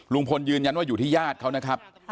ลุงพลยืนยันว่าอยู่ที่ญาติเขานะครับ